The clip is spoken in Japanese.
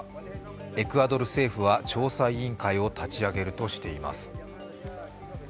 エクアドル政府は調査委員会を立ち上げるとしています。